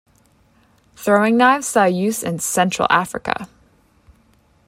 Throwing knives saw use in central Africa.